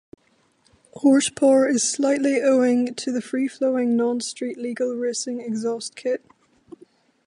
Horsepower is up slightly owing to the free-flowing non-street-legal racing exhaust kit.